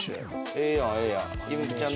ええやんええやん。